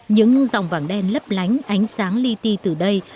những dòng vàng đen lấp lánh ánh sáng ly ti từ đây